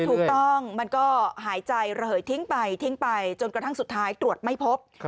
ถูกต้องมันก็หายใจระเหยทิ้งไปทิ้งไปจนกระทั่งสุดท้ายตรวจไม่พบ